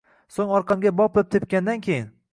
so’ng orqamga boplab tepgandan keyin